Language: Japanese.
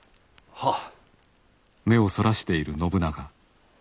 はっ。